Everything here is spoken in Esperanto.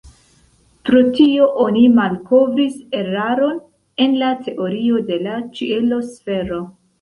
Pro tio oni malkovris eraron en la teorio de la ĉielo-sfero.